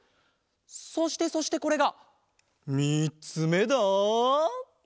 そしてそしてこれがみっつめだ。